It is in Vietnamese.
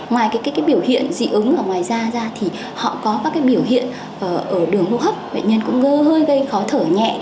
ngoài biểu hiện dị ứng ở ngoài da ra thì họ có các biểu hiện ở đường hô hấp bệnh nhân cũng ngơ hơi gây khó thở nhẹ